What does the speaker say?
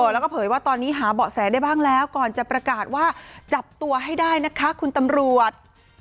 แล้วก็เผยว่าตอนนี้หาเบาะแสได้บ้างแล้วก่อนจะประกาศว่าจับตัวให้ได้นะคะคุณตำรวจ